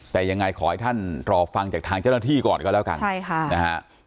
แต่ยังไงขอให้ท่านรอฟังจากทางเจ้าหน้าที่ก่อนก็แล้วกันใช่ค่ะนะฮะ